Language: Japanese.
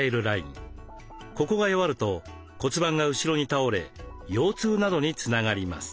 ここが弱ると骨盤が後ろに倒れ腰痛などにつながります。